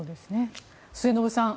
末延さん